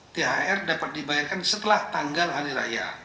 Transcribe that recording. thr dapat dibayarkan setelah tanggal hari raya